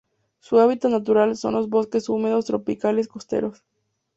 Su hábitat natural son los bosques húmedos tropicales costeros.